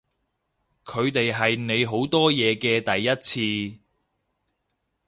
佢哋係你好多嘢嘅第一次